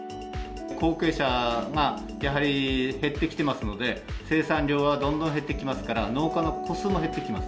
後継者が、やはり減ってきてますので、生産量はどんどん減ってきますから、農家の戸数も減ってきます。